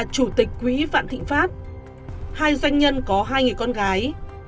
hai doanh nhân có hai người con gái